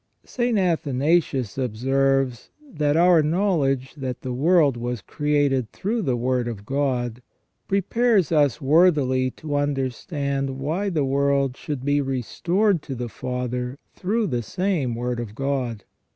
t St. Athanasius observes that our knowledge that the world was created through the Word of God prepares us worthily to under stand why the world should be restored to the Father through the same Word of God.